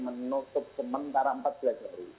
menutup sementara empat belas hari